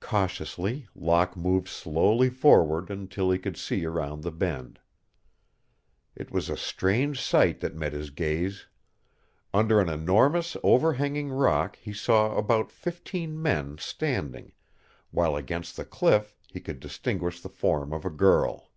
Cautiously Locke moved slowly forward until he could see around the bend. It was a strange sight that met his gaze. Under an enormous overhanging rock he saw about fifteen men standing, while against the cliff he could distinguish the form of a girl.